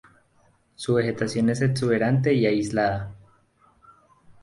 Su vegetación es exuberante y aislada.